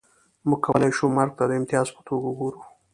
موږ کولای شو مرګ ته د امتیاز په توګه وګورو